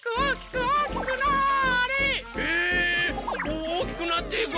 おおきくなっていく！